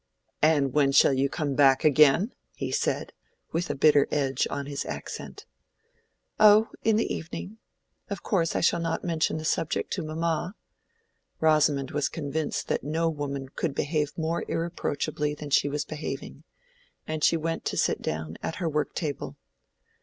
"And when shall you come back again?" he said, with a bitter edge on his accent. "Oh, in the evening. Of course I shall not mention the subject to mamma." Rosamond was convinced that no woman could behave more irreproachably than she was behaving; and she went to sit down at her work table.